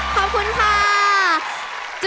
เสียงรัก